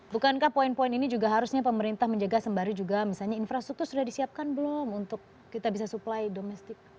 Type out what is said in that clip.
bukankah poin poin ini juga harusnya pemerintah menjaga sembari juga misalnya infrastruktur sudah disiapkan belum untuk kita bisa supply domestik